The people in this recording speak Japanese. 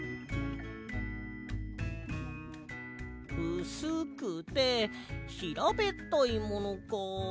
うすくてひらべったいものか。